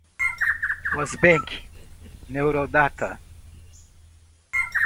Rosbank, Neurodata